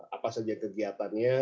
apa saja kegiatannya